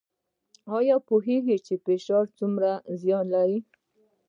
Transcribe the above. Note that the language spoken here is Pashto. ایا پوهیږئ چې فشار څومره زیان لري؟